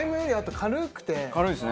軽いですね。